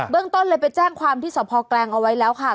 ต้นเลยไปแจ้งความที่สพแกลงเอาไว้แล้วค่ะ